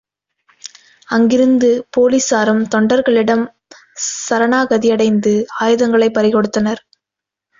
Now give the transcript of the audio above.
அங்கிருந்த போலிஸாரும் தொண்டர்களிடம் சரணாகதியடைந்து, ஆயுதங்களைப் பறிகொடுத்தனர்.